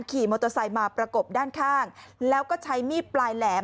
ขี่มอเตอร์ไซค์มาประกบด้านข้างแล้วก็ใช้มีดปลายแหลม